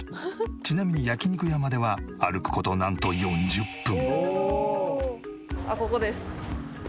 ちなみに焼肉屋までは歩く事なんと４０分。